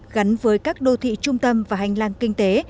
gắn với các đô thị trung tâm và hành lang kinh tế